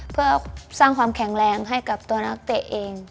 เพื่อสร้างความแข็งแรงให้กับตัวนักเตะเอง